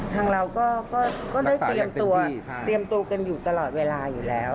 ทางเราก็ได้เตรียมตัวเตรียมตัวกันอยู่ตลอดเวลาอยู่แล้ว